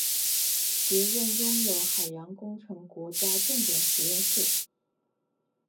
学院拥有海洋工程国家重点实验室。